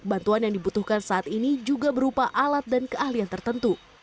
bantuan yang dibutuhkan saat ini juga berupa alat dan keahlian tertentu